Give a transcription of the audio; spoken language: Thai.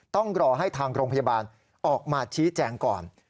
ต้องรอให้ทางโรงพยาบาลออกมาชี้แจงก่อน